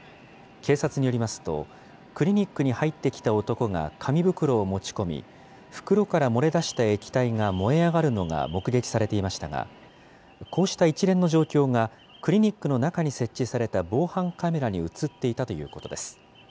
警察によりますと、クリニックに入ってきた男が紙袋を持ち込み、袋から漏れ出した液体が燃え上がるのが目撃されていましたが、こうした一連の状況がクリニックの中に設置された防犯カメラに写っていたということです。